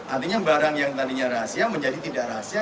artinya barang yang tadinya rahasia menjadi tidak rahasia